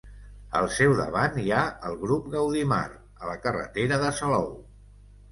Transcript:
Al seu davant hi ha el grup Gaudí Mar, a la carretera de Salou.